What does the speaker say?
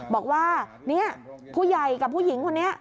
บอกว่าเนี่ยผู้ใหญ่กับผู้หญิงคนนี้